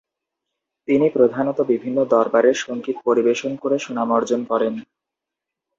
তিনি প্রধানত বিভিন্ন দরবারে সংগীত পরিবেশন করে সুনাম অর্জন করেন।